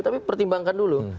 tapi pertimbangkan dulu